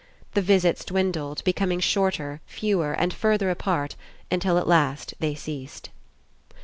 The visits dwindled, becoming shorter, fewer, and further apart until at last they ceased.